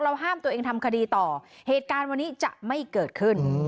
ห้ามตัวเองทำคดีต่อเหตุการณ์วันนี้จะไม่เกิดขึ้น